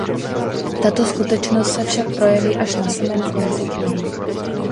Tato skutečnost se však projeví až na samém konci knihy.